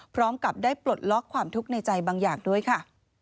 พร้อมกับได้ปลดล็อกความทุกข์ในใจบางอย่างด้วยค่ะ